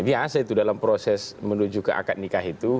biasa itu dalam proses menuju ke akad nikah itu